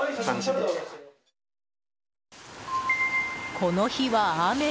この日は雨。